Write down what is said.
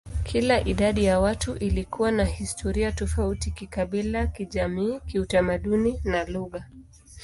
Kila idadi ya watu ilikuwa na historia tofauti kikabila, kijamii, kitamaduni, na lugha.